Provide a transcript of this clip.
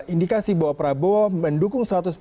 indikasi bahwa prabowo mendukung